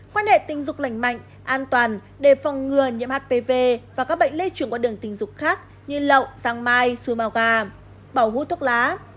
quan hệ tình dục lành mạnh an toàn để phòng ngừa nhiễm hiv và các bệnh lây trưởng qua đường tình dục khác như lậu sang mai suy mau ga bảo hút thuốc lá